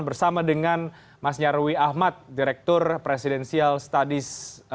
bersama dengan mas nyarwi ahmad direktur presidential studies